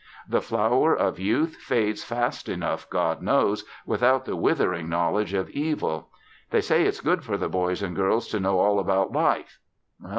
The flower of youth fades fast enough, God knows, without the withering knowledge of evil. They say it's good for the boys and girls to know all about life.